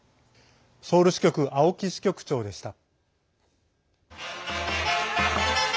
ソウル支局青木支局長でした。